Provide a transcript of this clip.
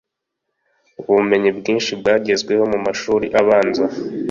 Ubumenyi bwinshi bwagezweho mu mashuri abanza